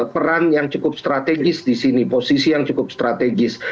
peran yang cukup strategis di sini posisi yang cukup strategis